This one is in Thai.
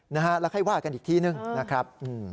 นะฮะแล้วค่อยว่ากันอีกทีนึงนะครับ